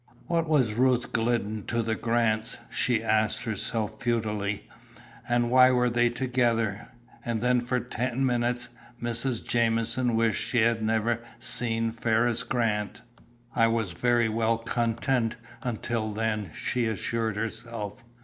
What was Ruth Glidden to the Grants? she asked herself futilely, and why were they together? And then for ten minutes Mrs. Jamieson wished she had never seen Ferriss Grant. "I was very well content until then," she assured herself.